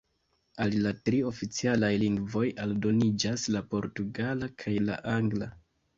Al la tri oficialaj lingvoj aldoniĝas la portugala kaj la angla.